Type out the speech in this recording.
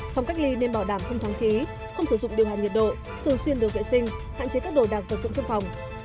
phòng cách ly nên bỏ đảm không thoáng khí không sử dụng điều hàn nhiệt độ thường xuyên đường vệ sinh hạn chế các đồ đàng phận dụng trong phòng